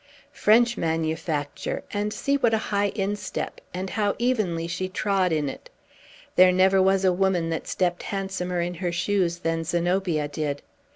French manufacture; and see what a high instep! and how evenly she trod in it! There never was a woman that stept handsomer in her shoes than Zenobia did.